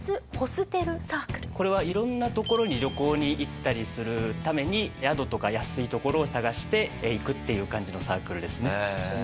これは色んな所に旅行に行ったりするために宿とか安い所を探して行くっていう感じのサークルですね。